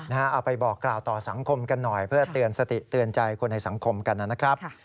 เอาไปบอกกล่าวต่อสังคมกันหน่อยเพื่อเตือนสติเตือนใจคนในสังคมกันนะครับ